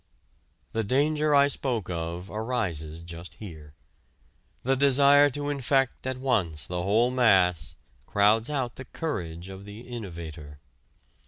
The danger I spoke of arises just here: the desire to infect at once the whole mass crowds out the courage of the innovator.